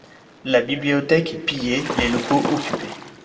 La bibliothèque est pillée, les locaux occupés...